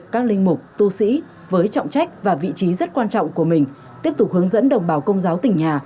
các linh mục tu sĩ với trọng trách và vị trí rất quan trọng của mình tiếp tục hướng dẫn đồng bào công giáo tỉnh nhà